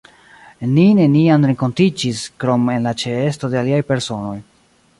Ni neniam renkontiĝis, krom en la ĉeesto de aliaj personoj.